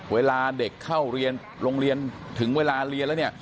เวลาเด็กเข้าเรียนโรงเรียนถึงเวลาเรียนแล้วเนี่ย